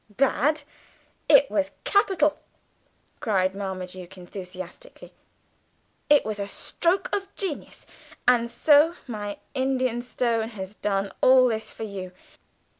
"Bad! it was capital!" cried Marmaduke enthusiastically. "It was a stroke of genius! And so my Indian Stone has done all this for you.